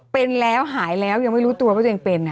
เป็นแล้วหายแล้วยังไม่รู้ตัวว่าตัวเองเป็น